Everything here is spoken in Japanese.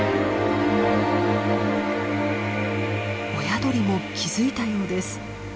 親鳥も気付いたようです。